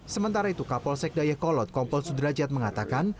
sementara itu kapolsek dayakolot kompol sudrajat mengatakan